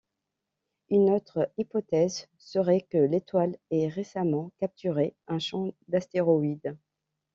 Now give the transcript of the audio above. Une autre hypothèse serait que l'étoile ait récemment capturé un champ d'astéroïdes.